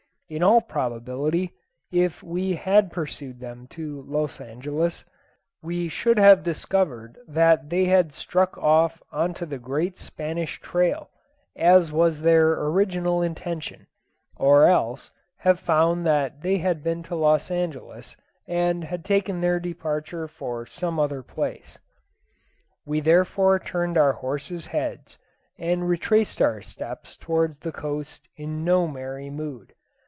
In all probability, if we had pursued them to Los Angelos, we should have discovered that they had struck off on to the great Spanish Trail, as was their original intention, or else have found that they had been to Los Angelos and had taken their departure for some other place. We therefore turned our horses' heads, and retraced our steps towards the coast in no merry mood.